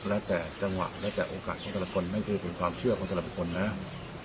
แล้วแต่จังหวะแล้วแต่โอกาสของแต่ละคนนั่นคือเป็นความเชื่อของแต่ละคนนะ